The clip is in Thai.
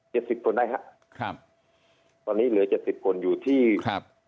สิบคนได้ฮะครับตอนนี้เหลือเจ็ดสิบคนอยู่ที่ครับ